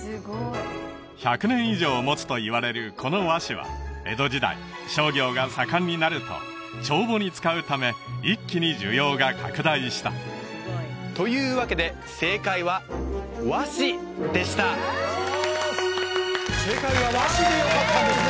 １００年以上もつといわれるこの和紙は江戸時代商業が盛んになると帳簿に使うため一気に需要が拡大したというわけで正解は「和紙」でした正解は「和紙」でよかったんですね